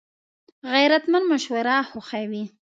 غیرتمند مشوره خوښوي